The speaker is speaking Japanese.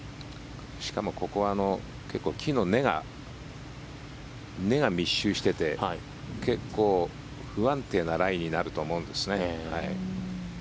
しかもここは結構木の根が密集していて結構不安定なライになると思うんですね。